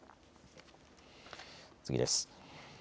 次です。